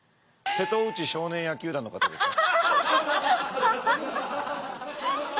瀬戸内少年野球団の方ですか？